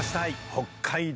北海道